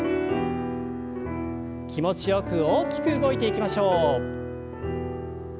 気持ちよく大きく動いていきましょう。